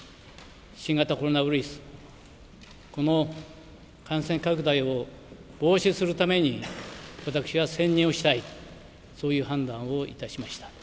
新型コロナウイルス、この感染拡大を防止するために、私は専念をしたい、そういう判断をいたしました。